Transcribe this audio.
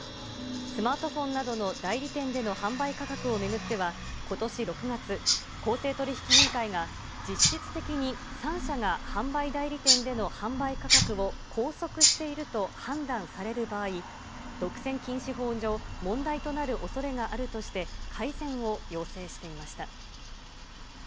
スマートフォンなどの代理店での販売価格を巡っては、ことし６月、公正取引委員会が、実質的に３社が販売代理店での販売価格を拘束していると判断される場合、独占禁止法上、問題となるおそれがあるとして、改善を要請していました。